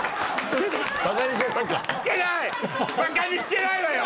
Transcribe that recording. バカにしてないわよ